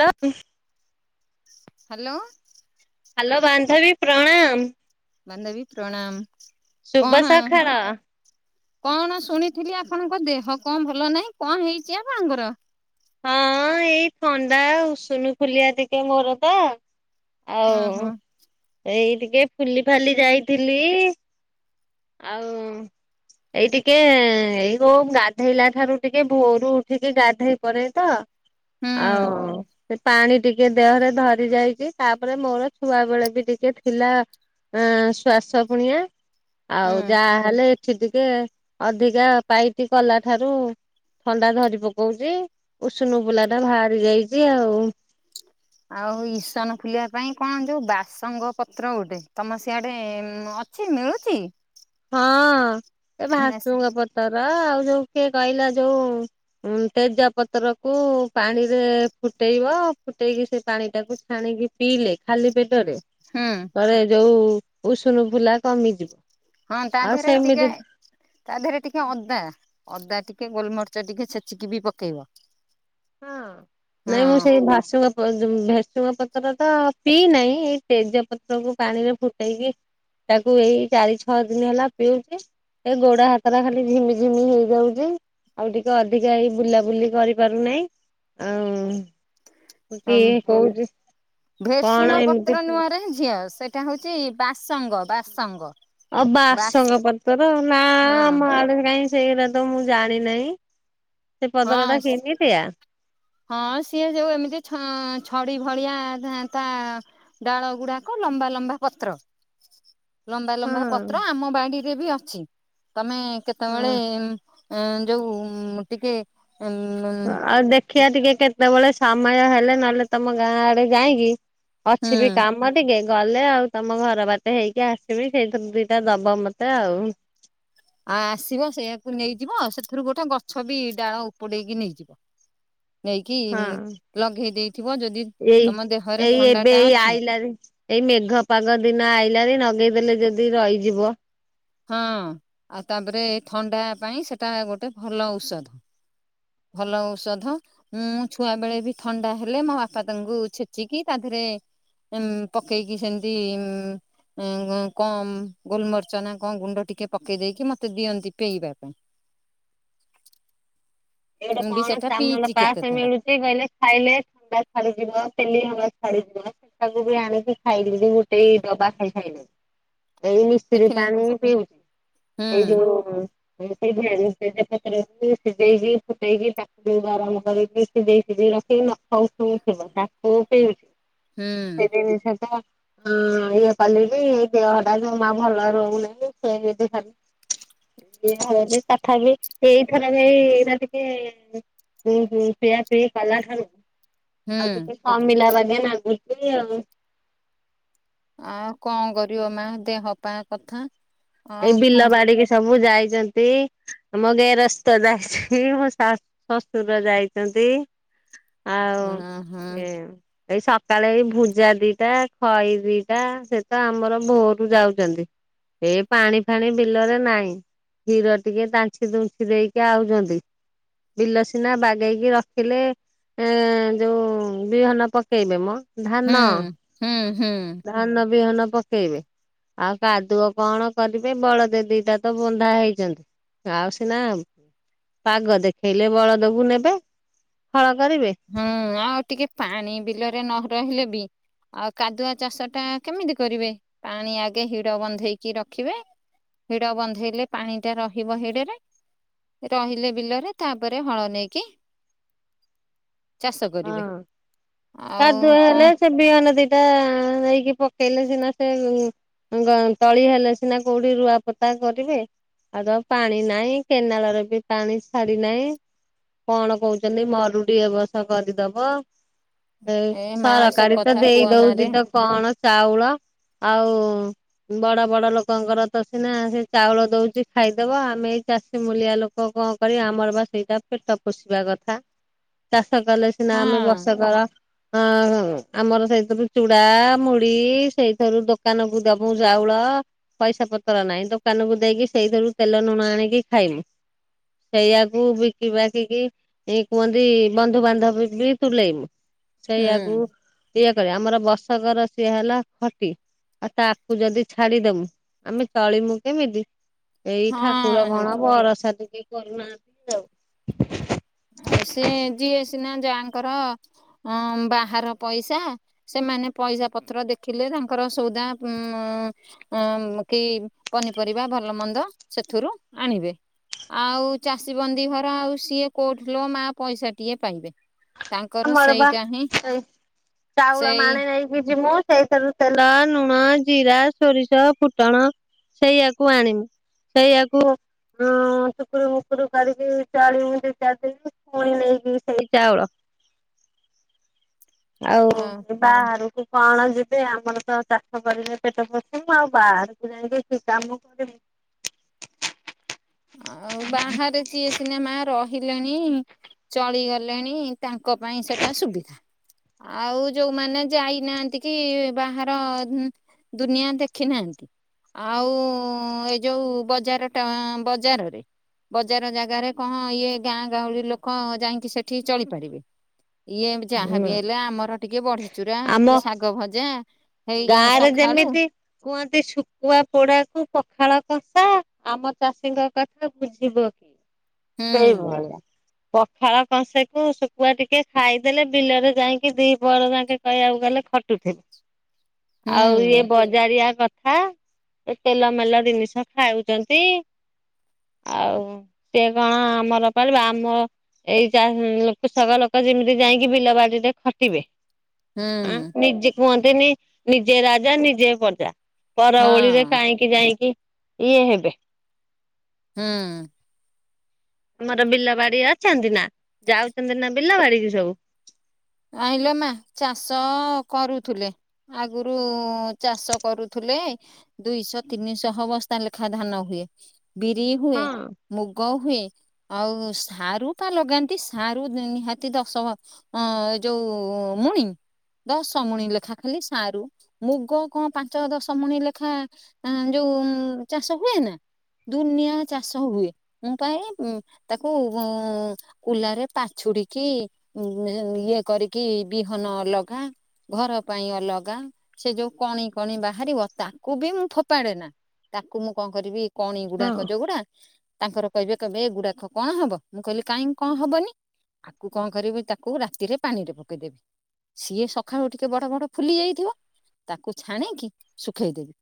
Hello. Hello. Hello ବାନ୍ଧବୀ ପ୍ରଣାମ। ବାନ୍ଧବୀ ପ୍ରଣାମ ଶୁଭ କଣ ସକାଳ। କଣ ଶୁଣିଥିଲି ଆପଣଙ୍କ ଦେହ କଣ ଭଲ ନାହିଁ କଣ ହେଇଛି ଆପଣଙ୍କର? ହଁ ଏଇ ଥଣ୍ଡା ଉଶୁଣୁ ଫୁଲିବା ଟିକେ ମୋର ତ। ହଁ ଆଉ ହଁ ଏଇ ଟିକେ ଫୁଲି ଫାଲି ଯାଇଥିଲି ଆଉ ଏଇ ଟିକେ ଏଇ ଗଉ ଗାଧେଇଲା ଠାରୁ ଟିକେ ଭୋରୁ ଉଠିକି ଗାଧେଇ କରେ ତ ହୁଁ ଆଉ ସେ ପାଣି ଟିକେ ଦେହରେ ଧରି ଯାଇଛି ତାପରେ ମୋର ଛୁଆ ବେଳେ ବି ଟିକେ ଥିଲା ଅ ଶ୍ଵାସ ପୁଣିଆ ଆଉ ହୁଁ ଯାହାହେଲେ ସିଦିକେ ଅଧିକା ପାଇଟି କଲା ଠାରୁ ଥଣ୍ଡା ଧରି ପକଉଛି। ଉଷୁନୁ ବୁଲା ଟା ବାହାରି ଯାଇଛି ଆଉ। ଆଉ ଇସାନ ଖୁଲିଆ ପାଇଁ କଣ ଯୋଉ ବାସଙ୍ଗ ପତ୍ର ଗୋଟେ ତମ ସିଆଡେ ଉଁ ଅ ଛି ମିଳୁଛି। ହଁ ଏ ଭାସୁଙ୍ଗ ହୁଁ ପତର ଆଉ ଯୋଉ କିଏ କହିଲା ଯୋଉ ଉଁ ତେଜ ପତ୍ରକୁ ପାଣିରେ ଫୁଟେଇବ ଫୁଟେଇକି ସେ ପାଣି ଟାକୁ ଛାଣିକି ପିଇଲେ ଖାଲି ପେଟରେ। ହୁଁ। ରେ ଯୋଉ ଉଷୁନୁ ଫୁଲା କମିଯିବ। ହଁ ତା ଆଉ ଦିହରେ ସେମିତି ଟିକେ। ତା ଦେହରେ ଟିକେ ଅଦା ଅଦା ଟିକେ ଗୋଲମରଚ ଟିକେ ଛେଚିକି ବି ପକେଇବ। ହଁ ନାଇଁ ମୁଁ ସେଇ ହଁ ଭା ଭେସୁ ପ ଜ ଉଁ ଭେସୁଙ୍ଗ ପତ୍ର ତ ପିଇନାହିଁ ଏଇ ତେଜ ପତ୍ରକୁ ପାଣିରେ ଫୁଟେଇକି ତାକୁ ଏଇ ଚାରି ଛଅ ଦିନ ହେଲା ପିଉଛି। ଏ ଗୋଡ଼ା ହାତଟା ଖାଲି ଝିମି ଝିମି ହେଇଯାଉଛି। ଆଉ ଟିକେ ଅଧିକା ଏଇ ବୁଲାବୁଲି କରିପାରୁନାହିଁ। ଉଁ କିଏ କହୁଛି କଣ ଭେରସୁଙ୍ଗ ଏମିତି ପତ୍ର ନୁହଁରେ ଝିଅ ସେଟା ହଉଛି ବାସଙ୍ଗ ବାସଙ୍ଗ। ଅ ବାସ ବାସଙ୍କ ପତର ନା ହଁ ଆମ ଆଡ କାଇହିଁ ସେଇଗୁଡ଼ା ତ ମୁଁ ଜାଣି ନାହିଁ। ସେ ପଦର ଟା ହଁ କେମିତିଆ? ହଁ ସିଏ ଯୋଉ ଏମିତି ଛ ଛଡି ଭଳିଆ ତା ତା ଡାଳ ଗୁଡାକ ଲମ୍ବା ଲମ୍ବା ପତ୍ର। ଲମ୍ବା ହଁ ଲମ୍ବା ପତ୍ର ଆମ ବାଡିରେ ବି ଅଛି ତମେ ହଁ କେତେବେଳେ। ଅ ଯୋଉ ଉଁ ଟିକେ ଉମ ଉମ ଦେଖିଆ ଟିକେ କେତେବେଳେ ସମୟ ହେଲେ ନହେଲେ ତମ ଗାଁ ଆଡେ ଯାଇକି ଅଛି ବି ହୁଁ କାମ ମ ଟିକେ ଗଲେ ଆଉ ତମ ଘର ବାଟେ ହେଇକି ଆସିବି ସେଇଥିରୁ ଦିଟା ଦବ ମତେ ଆଉ। ଆ ଆସିବ ସେଇଆକୁ ନେଇଯିବ ସେଥିରୁ ଗୋଟେ ଗଛ ବି ଡାଳ ଉପୁଡେଇକି ନେଇଯିବ। ନେଇକି ହଁ। ଲଘେଇ ଦେଇଥିବ ଯଦି ଏଇ ତମ ଦେହରେ ଏଇ ଥଣ୍ଡା ଏବେ ଟା ଏଇ ଅଛି। ଆଇଲାରେ ଏଇ ମେଘ ପାଗ ଦିନ ଆଇଲାନି ନଗେଇଦେଲେ ଯଦି ରହିଯିବ। ହଁ ଆଉ ତାପରେ ଥଣ୍ଡା ପାଇଁ ସେଟା ଗୋଟେ ଭଲ ଔଷ ଭଲ ଔଷଧ। ମୁଁ ଛୁଆ ବେଳେ ବି ଥଣ୍ଡା ହେଲେ ମୋ ବାପା ତାଙ୍କୁ ଛେଚିକି ତା ଦେହରେ ଉମ ପକେଇକି ସେମିତି ଉଁ ଉଁ କ ଗୋଲମରିଚ ନା କଣ ଗୁଣ୍ଡ ଟିକେ ପକେଇ ଦେଇକି ମୋତେ ଦିଅନ୍ତି ପେଇବାକୁ ପାଇଁ। ଏଇଟେ ମୁଁ ବି କଣ ସେଟା ଚାମଲ ପିଇଛି ପାସ କେତେଥର ମିଳୁ ସେ କହିଲେ ଖାଇଲେ [unintelligible] ଛାଡିଯିବ ତେଲି ହବା ଛାଡିଯିବ। ତାକୁ ବି ଆଣିକି ଖାଇଲିବି ଗୁଟେ ଡବା ଖାଇ ଖାଇ [unintelligible] ଏଇ ରି ସେଥିରେ ପାଣି ପିଉଛି ହୁଁ ଏଇ ଯଉ ହଁ [unintelligible] ସିଝେଇଛି। ଫୁଟେଇକି ତାକୁ ଗରମ କରିକି ସିଝେଇ ସିଝେଇ ରଖିକି ନଖ ଉଷୁମ ଥିବ ତାକୁ [unintelligible] ହୁଁ [unintelligible] ହଁ ଏଇ [unintelligible] ଦେହଟା ଜମା ଭଲ ରହୁନାଇ ସେ ବି ଖାଲି [unintelligible] ତଥାପି ଏଇଥର ଏଇ ରା [unintelligible] ହୁଁ ହୁଁ ପିୟା ପିଇ କଲାଠାରୁ ହୁଁ ଆଉ ଟି ଅମିଲା [unintelligible] ଆଉ ଆଉ କଣ କରିବ ମା ଦେହ ପା କଥା। ଏଇ ଆଉ ବିଲ ବାଡିକି ସବୁ ଯାଇଛନ୍ତି ମୋ ଗେରସ୍ତ ଯାଇଛନ୍ତି ମୋ ସା ଶଶୁର ଯାଇଛନ୍ତି। ଆଉ କଣ ହୁଁ ଏ ଏଇ ସକାଳେ ଏ ଭୂଜା ଦିଟା ଖଇ ଦିଟା ସେ ତ ଆମର ଭୋରୁ ଯାଉଛନ୍ତି। ଏ ପାଣି ଫାଣି ବିଲରେ ନାହିଁ ହିଡ଼ ଟିକେ ତାଞ୍ଛି ତୁଞ୍ଛି ଦେଇକି ଆଉଛନ୍ତି। ବିଲ ସିନା ବାଗେଇକି ରଖିଲେ ଏ ଯୋଉ ବିହନ ପକେଇବେ ମଁ ହୁଁ ହୁଁ ଧାନ ହୁଁ ହୁଁ ଧାନ ବିହନ ପକେଇବେ ଆଉ କାଦୁଅ କଣ କରିବେ ବଳଦ ଦିଟା ତ ବନ୍ଧା ହେଇଛନ୍ତି ଆଉ ସିନା ପାଗ ଦେଖେଇଲେ ବଳଦକୁ ନେବେ ହଳ କରିବେ। ହୁଁ ଆଉ ଟିକେ ପାଣି ବିଲରେ ନ ରହିଲେ ବି ଆଉ କାଦୁଆ ଚାଷ ଟା କେମିତି କରିବେ ପାଣି ଆଗେ ହିଡ଼ ବନ୍ଧେଇକି ରଖିବେ। ହିଡ ବନ୍ଧେଇଲେ ପାଣି ଟା ରହିବ ହିଡରେ ରହିଲେ ବିଲରେ ତାପରେ ହଳ ନେଇକି ଚାଷ ହଁ କରିବେ କାଦୁଅ ଆଉ କଣ ହେଲେ ସେ ବିହନ ଦିଟା ନେଇକି ପକେଇଲେ ସିନା ସେ ଗ ତଳି ହେଲେ ସିନା କୋଉଠି ରୁଆ ପୋତା କରିବେ। ଆଉ ତ ପାଣି ନାହିଁ କେନାଲରେ ବି ପାଣି ଛାଡି ନାହିଁ। କଣ କହୁଛନ୍ତି ମରୁଡ଼ି ଏ ବର୍ଷ କରିଦବ ଏଇ ଏ ମା ସେ ସରକାରୀ ତ କଥା ଦେଇ କୁହନାରେ ଦଉଛି ତ କଣ ଚାଉଳ ଆଉ ବଡ ବଡ ଲୋକଙ୍କର ତ ସିନା ସେ ଚାଉଳ ଦୋଉଛି ଖାଇଦବ ଆମେ ଏଇ ଚାଷୀ ମୂଲିଆ ଲୋକ କଁ କରିବା ଆମର ବା ସେଇଟା ପେଟ ପୋଷିବା କଥା। ଚାଷ କଲେ ସିନା ଆମେ ହଁ ବର୍ଷକର ଅ ଆମର ସେଇଥିରୁ ଚୁଡା ମୁଢି ସେଇଥିରୁ ଦୋକାନ କୁ ଦୋବୁ ଚାଉଳ ପଇସା ପତ୍ର ନାହିଁ ଦୋକାନକୁ ଦେଇକି ସେଇଥିରୁ ତେଲ ଲୁଣ ଆଣିକି ଖାଇମୁ। ସେଇଆକୁ ବିକି ବାକିକି ଏଇ କୁହନ୍ତି ବନ୍ଧୁବାନ୍ଧବ ବି ତୁଲେଇବୁ ସେଇଆକୁ ହୁଁ ଇଆ କରିବା ଆମର ବର୍ଷକର ସିଏ ହେଲା ଖଟି। ଆଉ ତାକୁ ଯଦି ଛାଡିଦୋମୁ ଆମେ ଚଳିମୁ କେମିତି। ଏଇ ଠାକୁର ହଁ କଣ ବରଷା ଟିକେ କରୁନାହାନ୍ତି ଆଉ ଆଉ ସିଏ ଯିଏ ସିନା ଯାହାଙ୍କର ଅ ବାହାର ପଇସା ସେମାନେ ପଇସା ପତ୍ର ଦେଖିଲେ ତାଙ୍କର ସଉଦା ଉଁ ଅଁ କି ପନିପରିବା ଭଲ ମନ୍ଦ ସେଥିରୁ ଆଣିବେ। ଆଉ ଚାଷୀ ବନ୍ଦୀ ଘର ଆଉ ସିଏ କୋଉଠି ଲୋ ମା ପଇସା ଟିଏ ପାଇବେ। ତାଙ୍କର ଆମର ବା ସେଇଟା ହିଁ ଏଇଚାଉଳ ସେଇ ମାଣେ ନାଇଁ ଭିଜିମୁ ସେଇଥରୁ ତେଲ ଲୁଣ ଜିରା ସୋରିଷ ଫୁଟଣ ସେଇଆକୁ ଆଣିମୁ ସେଇଆକୁ ହଁ ଟୁକୁରୁ ମୁକୁରୁ କରିକି ଚଳିବୁ ଦି ଚାରି ଦିନ ପୁଣି ନେଇକି ସେଇ ଚାଉଳ। ଆଉ ଅ ବାହାରକୁ କଣ ଯିବେ ଆମର ତ ଚାଷ କରିବେ ପେଟ ପୋଷିବୁ ଆଉ ବାହାର ଯାଇକି କି କାମ କରିବେ। ଆଉ ବାହାରେ ଯିଏ ସିନା ମା ରହିଲେଣି ଚଳିଗଲେଣି ତାଙ୍କ ପାଇଁ ସେଟା ସୁବିଧା। ଆଉ ଯୋଉମାନେ ଯାଇନାହାନ୍ତି କି ବାହାର ଦୁନିଆ ଦେଖିନାହାନ୍ତି ଆଉ ଏଇ ଯୋଉ ବଜାର ଟା ବ୍ ଯାରରେ। ବଜାର ଜାଗାରେ କଣ ଇଏ ଗାଁ ଗଉଳି ଲୋକ ଯାଇଁକି ସେଠି ଚଳିପାରିବେ? ଇଏ ହୁଁ ଯାହାବି ହେଲେ ଆମର ଟିକେ ବଢିଚୁରା କି ଶାଗ ଭଜା ହେଇ ଗାଁ ରେ ସକାଳୁ ଯେମିତି କୁହନ୍ତି ଶୁଖୁଆ ପୋଡାକୁ ପଖାଳ କଂସା ଆମ ଚାଷୀଙ୍କ କଥା ବୁଝିବ ହୁଁ କିଏ ସେଇଭଳିଆ। ପଖାଳ ଙ୍କସେ କୁ ଶୁଖୁଆ ଟିକେ ଖାଇଦେଲେ ବିଲରେ ଯାଇକି ଦିପହର ଯାକେ କହିବାକୁ ଗଲେ ଖଟୁ ଥିବୁ ଆଉ ଇଏ ହୁଁ ବ ଜାରିଆ କଥା ଏ ତେଲ ମେଲ ଦିନିଷ ଖାଉଚନ୍ତି। ଆଉ ସେ କଣ ଆମର ପାଳିବ ଆମ ଏଇ ଚା କୃଷକ ଲୋକ ଯେମିତି ଯାଇକି ବିଲ ବାଡିରେ ଖଟିବେ ଆଁ ହୁଁ ନିଜେ କୁହନ୍ତିନି ନିଜେ ରାଜା ନିଜେ ପ୍ରଜା। ପର ଓଳିରେ ହଁ କାହିଁକି ଯାଇକି ଇଏ ହେବେ। ହୁଁ। ଆମର ବିଲ ବାଡି ଅଛନ୍ତି ନା ଯାଉଛନ୍ତି ନା ବିଲ ବାଡି କି ସବୁ? ଆଇିଲ ମା ଚାଷ କରୁଥୁଲେ। ଆଗୁରୁ ଚାଷ କରୁଥିଲେ ଦୁଇଶହ ତିନିଶହ ବସ୍ତା ଲେଖା ଧାନ ହୁଏ। ବିରି ହୁଏ, ହଁ ମୁଗ ହୁଏ,। ଆଉ ସାରୁ ପା ଲଗାନ୍ତି ସାରୁ ନିହାତି ଦଶ ବ ଅ ଯୋଉ ମୁଣି। ଦଶମୁଣି ଲେଖା ଖାଲି ସାରୁ ମୁଗ କଣ ପାଞ୍ଚ ଦଶମୁଣି ଲେଖା ଆଁ ଯୋଉ ଚାଷ ହୁଏ ନା ଦୁନିଆ ଚାଷ ହୁଏ। ମୁଁ ପା ଏଇ ଉଁ ତାକୁ କୁଲାରେ ପାଛୁଡିକି ଇଏ କରିକି ବିହନ ଅଲଗା ଘର ପାଇଁ ଅଲଗା, ସେ ଯୋଉ କଣି କଣି ବାହାରିବ ତାକୁ ବି ମୁଁ ଫୋପାଡେ ନା,। ତାକୁ ମୁଁ କଣ କରିବି କଣି ହଁ ଗୁଡାକ ଜଉଗୁଡା ତାଙ୍କର କହିବେ କିହିବେ ଏଇଗୁଡାକ କଣ ହବ ମୁଁ କହିଲି କାଇଁ କଣ ହବନି ଆକୁ କଣ କରିବି ତାକୁ ରାତିରେ ପାଣି ରେ ପକେଇଦେବି। ସିଏ ସଖାଳୁ ଟିକେ ବଡ ବଡ ଫୁଲି ଯାଇଥିବ ତାକୁ ଛାଣିକି ଶୁଖେଇଦେବି।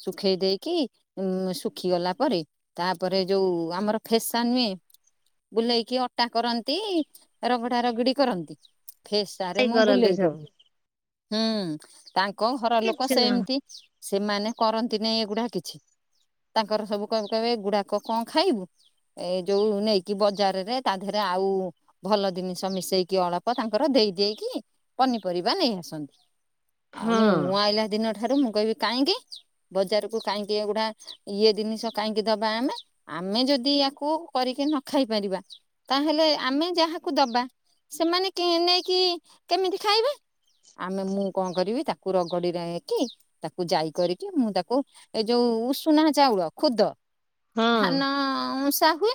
ଶୁଖେଇ ଦେଇକି, ଉଁ ଶୁଖିଗଲା ପରେ ତାପରେ ଯୋଉ ଆମର ଫେସା ନୁଏ ବୁଲେଇକି ଅଟା କରନ୍ତି ରଗଡା ରଗଡି କରନ୍ତି। ଫେସାରେ ସେଇ ମୁଁ କରନ୍ତି ସବୁ। ବୁଲେଇଦେବି ହୁଁ ତାଙ୍କ ଘର ଲୋକ କିଛି ନୁହଁ ସେମିତି ସେମାନେ କରନ୍ତି ନେଇଁ ଏଗୁଡା କିଛି ତାଙ୍କର ସବୁ କହିବେ କହିବେ ଏଗୁଡାକ କଣ ଖାଇବୁ? ଏ ଯୋଉ ନେଇକି ବଜାରରେ ତା ଧେରେ ଆଉ ଭଲ ଜିନିଷ ମିଶେଇକି ଅଳ ତାଙ୍କର ଦେଇ ଦେଇକି ପନିପରିବା ନେଇ ଆସନ୍ତି। ଆଉ ହଁ ମୁଁ ଆଇଲା ଦିନ ଠାରୁ ମୁଁ କହିବି କାଇଁ କି ବଜାରକୁ କାଇଁ କି ଏଗୁଡା ଇଏ ଦିନିଷ କାଇଁ କି ଦବା ଆମେ ଆମେ ଯଦି ୟାକୁ କରିକି ନ ଖାଇ ପାରିବା ତାହେଲେ ଆମେ ଯାହାକୁ ଦବା ସେମାନେ କିଣି ନେଇକି କେମିତି ଖାଇବେ? ଆମେ ମୁଁ କଣ କରିବି ତାକୁ ରଗଡି ରା କି ତାକୁ ଯାଇ କରିକି ମୁଁ ତାକୁ ଏ ଯୋଉ ଉଷୁନା ଚାଉଳ ଖୁଦ ହଁ। ଧାନ ଉଁସା ହୁଏ।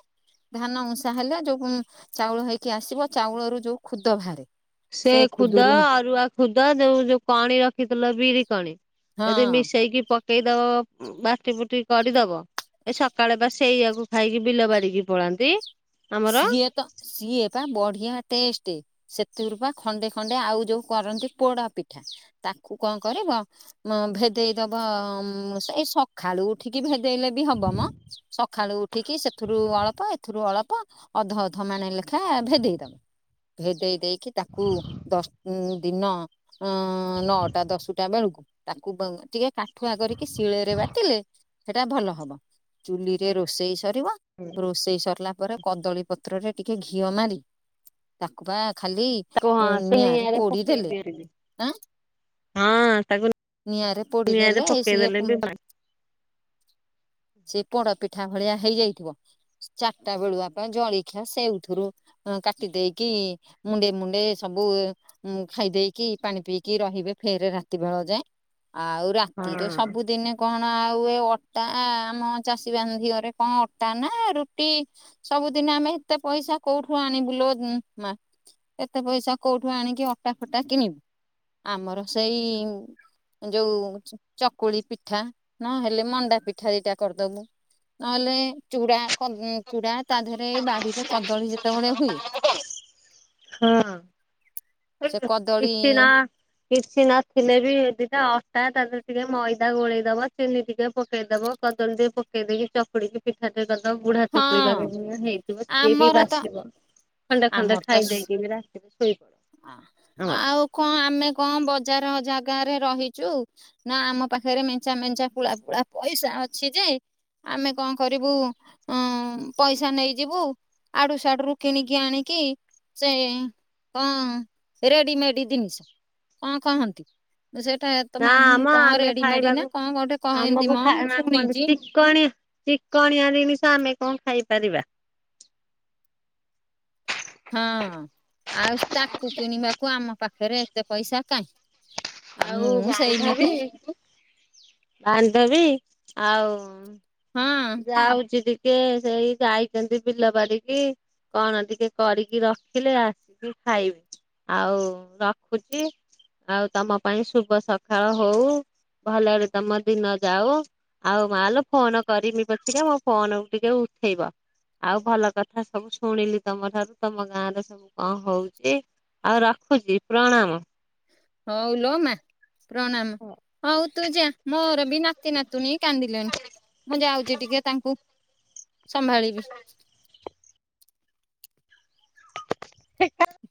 ଧାନ ଉଁସା ହେଲେ ଯୋଉ ଚାଉଳ ହେଇକି ଆସିବ ଚାଉଳରୁ ଯୋଉ ଖୁଦ ଭାଆରେ ସେ ଖୁଦ ଅରୁଆ ଖୁଦ ଯୋଉ ଯୋଉ କଣି ରଖିଥିଲ ବିରି କଣି ଯଦି ହଁ ମିଶେଇକି ପକେଇଦବ ବାଟି ବୁଟି କରିଦବ ଏ ସକାଳେ ଵା ସେଇଆାକୁ ଖାଇକି ବିଲ ବାଡିକି ପଳାନ୍ତି। ଆମର ସିଏ ତ ସିଏ ପା ବଢିଆ ଟେଷ୍ଟ। ସେତିରୁ ପା ଖଣ୍ଡେ ଖଣ୍ଡେ ଆଉ ଯୋଉ କରନ୍ତି ପୋଡା ପିଠା ତାକୁ କଣ କରିବ ମ ଭେଦେଇ ଦବ ସେଇ ସ ସକାଳୁ ଉଠିକି ଭେଦେଇଲେ ବି ହବ ମ ସକାଳୁ ଉଠିକି ସେଥିରୁ ଅଳପ ଏଥିରୁ ଅଳପ ଅଧ ଅଧ ମାଣେ ଲେଖା ଭେଦେଇଦବ ଭେଦେଇ ଦେଇକି ତାକୁ ଦଶ ଦିନ ନଅଟା ଦଶଟା ବେଳକୁ ତାକୁ ଟିକେ କାଠୁଆ କରିକି ଶିଳରେ ବାଟିଲେ ସେଟା ଭଲ ହବ। ଚୁଲି ରେ ରୋଷେଇ ସରିବ ରୋଷେଇ ସରିଲା ପରେ କଦଳୀ ପତ୍ରରେ ଟିକେ ଘିଅ ମାରି ତାକୁ ବା ଖାଲି ତାକୁ ହଁ ସେ ନିଆଁରେ ପୋଡ଼ି ପକେଇ ଦେଲେ ଦିଅନ୍ତି ଆଁ ହଁ ତାକୁ ନିଆଁରେ ପୋଡିି଼ ନିଆଁରେ ଦେଲେ ସିଏ ପକେଇଦେଲେ ବି ସେ ପୋଡ଼ ପିଠା ଭଳିଆ ହେଇଯାଇଥିବ ଚାରିଟା ବେଳୁଆ ଜଳଖିଆ ସେଇଥିରୁ କାଟି ଦେଇକି ମୁଣ୍ଡେ ମୁଣ୍ଡେ ସବୁ ଉଁ ଖାଇଦେଇକି ପାଣି ପିଇକି ରହିବେ ଫେର୍ ରାତି ବେଳ ଯାଏଁ ଆଉ ରାତିରେ ହଁ ସବୁଦିନେ କଣ ଆଉ ଏ ଅଟା ଆମ ଚାଷୀ ବାନ୍ଧି ଘରେ କଣ ଅଟା ନା ରୁଟି ସବୁଦିନ ଆମେ ଏତେ ପଇସା କୋଉଠୁ ଆଣିବୁ ଲୋ ମା। ଏତେ ପଇସା କୋଉଠୁ ଆଣିକି ଅଟା ଫଟା କିଣିବୁ ଆମର ସେଇ ଯୋଉ ଚକୁଳି ପିଠା ନହେଲେ ମଣ୍ଡା ପିଠା ଦିଟା କରିଦବୁ। ନହେଲେ ଚୁ ଚୁଡ଼ା ତା ଦେହରେ ଏଇ ବାଡ଼ିରେ କଦଳୀ ଯେତେବେଳେ ହୁଏ ହଁ। ସେ କଦଳୀ କିଛି ନା। କିଛି ନଥିଲେ ବି ଏ ଦିଟା ଅଟା ତା ଦେହରେ ଟିକେ ମଇଦା ଗୋଳେଇଦବ ଚିନି ଟିକେ ପକେଇଦବ କଦଳୀ ଟିକେ ପକେଇଦେଇ କି ଚ ଚକୁଡ଼ିକି ପିଠା ଟିଏ ଦେବା ବୁଢ଼ା ଚକୁଳିି ହଁ ବାଗିଆ ହେଇଥିବ ସିଏ ବି ଆମର ତ ବାସିବ। ଖଣ୍ଡେ ଖଣ୍ଡେ ଆମର ତ ଖାଇ ଦେଇକି ବି ରାତିରେ ଶୋଇ ଆଉ କଣ ଆମେ କଣ ବଜାର ଜାଗାରେ ରହିଛୁ ନା ଆମ ପାଖରେ ମେଞ୍ଚା ମେଞ୍ଚା ପୁଳା ପୁଳା ପଇସା ଅଛି ଯେ ଆମେ କଣ କରିବୁ ଅ ପଇସା ନେଇଯିବୁ ଆଡୁ ସିଆଡ଼ୁ ରୁ କିଣ କିି ଆଣିକି ସେ କଣ ରେଡି଼ମେଡ଼ି ଜିନିଷ କଣ କହନ୍ତି ସେଇଟା ତ ନା ମା ମୁଁ ଆମ କଣ ଆମେ ରେଡି଼ମେଡି଼ ନା ଖାଇବାକୁ କଣ ଗୋଟେ କହନ୍ତି ଆମକୁ ମ ମୁଁ ଖାଇବା ଶୁଣିଛି। କୁହନ୍ତି ଚିକଣିଆ ଚିକଣିଆ ଜିନିଷ ଆମେ କଣ ଖାଇପାରିବା। ହଁ ଆଉ ତାକୁ କିଣିବାକୁ ଆମ ପାଖରେ ଏତେ ପଇସା କାହିଁ? ଆଉ ମୁଁ ବାନ୍ଧବୀ, ସେଇମିତି ବାନ୍ଧବୀ ଆଉ ହଁ। ଯାଉଛି ଟିକେ ସେଇ ଯାଇଛନ୍ତି ବିଲ ବାଡ଼ି କି କଣ ଟିକେ କରିକି ରଖିଲେ ଆସିକି ଖାଇବେ। ଆଉ ରଖୁଛି ଆଉ ତମ ପାଇଁ ଶୁଭ ସକାଳ ହଉ ଭଲରେ ତମ ଦିନ ଯାଉ ଆଉ ମା ଲୋ ଫୋନ କରିମି ପଛିକା ମୋ ଫୋନ କୁ ଟିକେ ଉଠେଇବ। ଆଉ ଭଲ କଥା ସବୁ ଶୁଣିଲି ତମ ଠାରୁ ତମ ଗାଁ ରେ ସବୁ କଣ ହଉଛି ଆଉ ରଖୁଛି ପ୍ରଣାମ। ହଉ ଲୋ ମା। ପ୍ରଣାମ ହ ହଉ ତୁ ଯା ମୋର ବି ନାତି ନାତୁଣୀ କାନ୍ଦିଲେଣିି। ମୁଁ ଯାଉଛି ଟିକେ ତାଙ୍କୁ ସମ୍ଭାଳିବି। [inaudible]